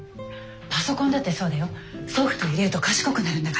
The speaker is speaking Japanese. パソコンだってそうだよソフトを入れると賢くなるんだから。